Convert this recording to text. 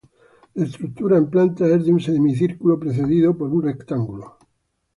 La estructura en planta es de un semicírculo precedido por un rectángulo.